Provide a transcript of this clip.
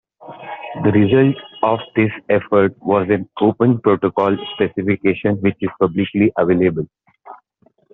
The result of this effort was an open protocol specification, which is publicly available.